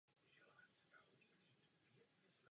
Po návratu z Itálie se aktivně zapojoval do kulturního života.